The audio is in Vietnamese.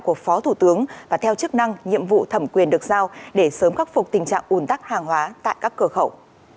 của phó thủ tướng và theo chức năng nhiệm vụ thẩm quyền được giao để sớm khắc phục tình trạng ủn tắc hàng hóa tại các cửa khẩu